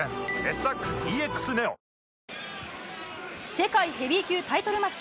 世界ヘビー級タイトルマッチ。